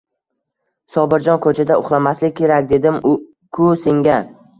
Sobirjon! Koʻchada uxlamaslik kerak, dedim-ku senga.